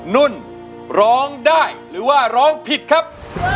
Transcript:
นุ่นร้องได้หรือว่าร้องผิดครับ